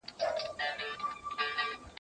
جارچي خوله وه سمه كړې و اعلان ته